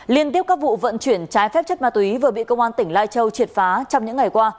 liên tiếp các vụ vận chuyển trái phép chất ma túy vừa bị công an tỉnh lai châu triệt phá trong những ngày qua